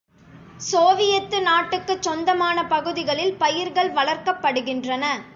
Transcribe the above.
Soviet நாட்டுக்குச் சொந்தமான பகுதிகளில் பயிர்கள் வளர்க்கப்படுகின்றன.